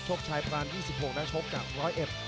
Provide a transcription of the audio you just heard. ชบชายปราน๒๖แล้วชบกับร้อยเอฟ